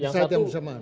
saat yang bersamaan